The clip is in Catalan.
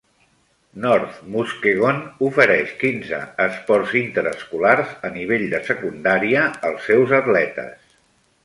North Muskegon ofereix quinze esports interescolars a nivell de secundària, als seus atletes.